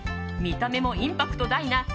見た目もインパクト大な